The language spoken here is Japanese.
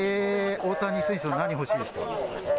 大谷選手の何が欲しいですか。